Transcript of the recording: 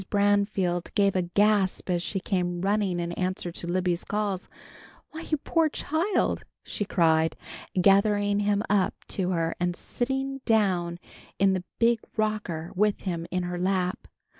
Branfield gave a gasp as she came running in answer to Libby's calls. "Why, you poor child!" she cried, gathering him up to her and sitting down in the big rocker with him in her lap.